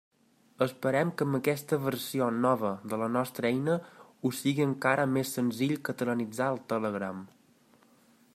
Esperem que amb aquesta versió nova de la nostra eina us sigui encara més senzill catalanitzar el Telegram.